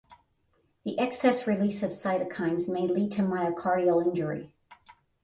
This excess release of cytokines may lead to myocardial injury.